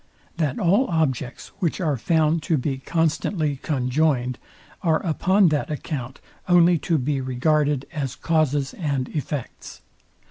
that all objects, which are found to be constantly conjoined, are upon that account only to be regarded as causes and effects.